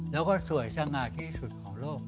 แล้วก็สวยสง่าที่สุดของโลก